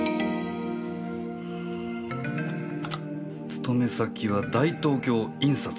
勤め先は大東京印刷。